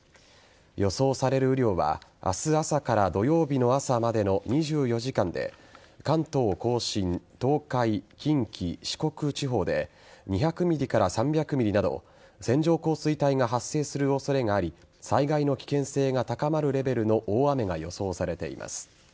予想される雨量は明日朝から土曜日の朝までの２４時間で関東甲信、東海、近畿四国地方で２００ｍｍ３００ｍｍなど線状降水帯が発生する恐れがあり災害の危険性が高まるレベルの大雨が予想されています。